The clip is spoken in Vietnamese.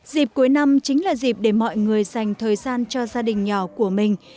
dịp cuối năm chính là dịp để mọi người dành thời gian cho gia đình nhỏ của mình